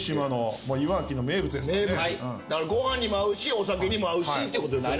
ご飯にも合うしお酒にも合うしってことですよね。